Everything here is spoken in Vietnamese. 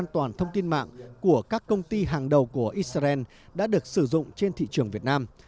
an toàn thông tin mạng của các công ty hàng đầu của israel đã được sử dụng trên thị trường việt nam